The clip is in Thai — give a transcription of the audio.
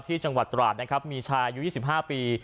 ที่จังหวัดตวาทมีชายอยู่๒๕ปี